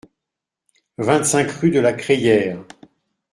vingt-cinq rue de la Crayere